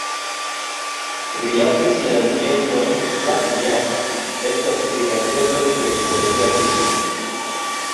Rilate sian ĝenron, "Black Jack" estas rigardebla kiel komedia filmo.